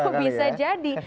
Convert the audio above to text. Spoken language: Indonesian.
oh bisa jadi